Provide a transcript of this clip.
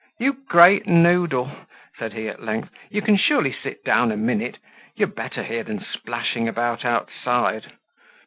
"You great noodle!" said he at length, "you can surely sit down a minute. You're better here than splashing about outside.